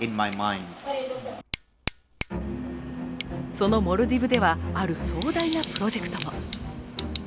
そのモルディブでは、ある壮大なプロジェクトも。